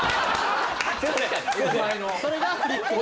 それがフリックね